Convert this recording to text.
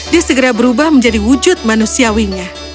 dia segera berubah menjadi wujud manusiawinya